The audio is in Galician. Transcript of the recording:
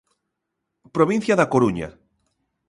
Provincia da Coruña.